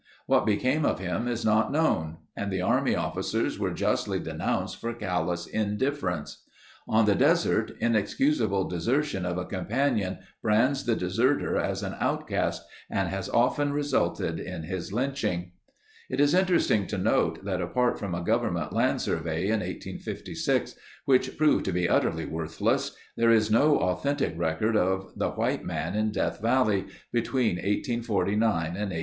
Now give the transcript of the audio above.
What became of him is not known and the army officers were justly denounced for callous indifference. On the desert, inexcusable desertion of a companion brands the deserter as an outcast and has often resulted in his lynching. It is interesting to note that apart from a Government Land Survey in 1856, which proved to be utterly worthless, there is no authentic record of the white man in Death Valley between 1849 and 1860.